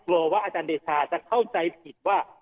ว่าอาจารย์เดชาจะเข้าใจผิดว่า